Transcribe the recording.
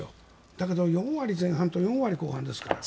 だけど４割前半と４割後半ですから。